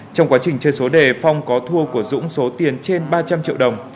trong quá trình chơi số đề phong có thua của dũng số tiền trên ba trăm linh triệu đồng